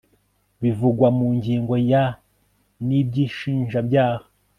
bivugwa mu ngingo ya n iby ishinjabyaha